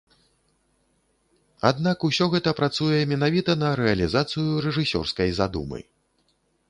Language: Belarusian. Аднак, усё гэта працуе менавіта на рэалізацыю рэжысёрскай задумы.